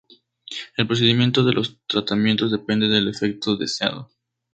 El procedimiento de los tratamientos depende del efecto deseado.